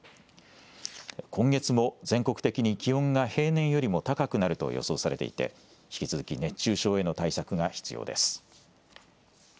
今月も全国的に気温が平年よりも高くなると予想されていて引き続き熱中症への対策が必要です。